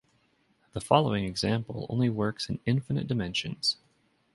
The following example only works in infinite dimensions.